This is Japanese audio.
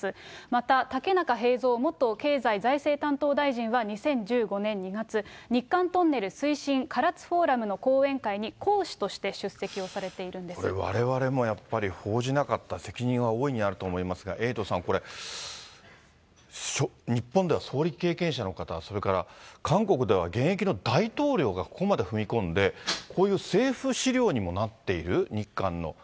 また竹中平蔵元経済財政担当大臣は２０１５年２月、日韓トンネル推進唐津フォーラムの講演会に講師として出席をされこれ、われわれもやっぱり報じなかった責任は大いにあると思いますが、エイトさん、これ、日本では総理経験者の方、それから韓国では現役の大統領がここまで踏み込んで、こういう政府資料にもなっている、日韓の。